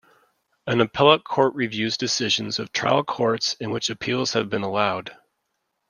An appellate court reviews decisions of trial courts in which appeals have been allowed.